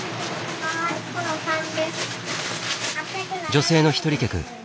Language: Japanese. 女性の一人客。